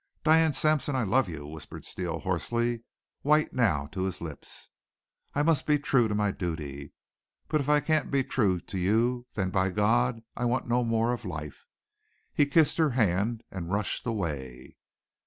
"Diane Sampson, I love you!" whispered Steele hoarsely, white now to his lips. "I must be true to my duty. But if I can't be true to you, then by God, I want no more of life!" He kissed her hand and rushed away.